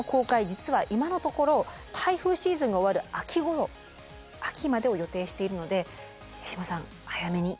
実は今のところ台風シーズンが終わる秋ごろ秋までを予定しているので八嶋さん早めに。